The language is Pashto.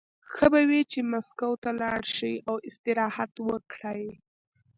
ښه به وي چې مسکو ته لاړ شي او استراحت وکړي